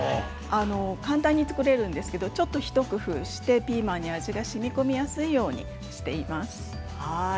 簡単に作れるんですがちょっと一工夫してピーマンに味がしみこみやすいようにしています。